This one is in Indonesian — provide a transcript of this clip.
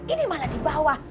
ini malah dibawah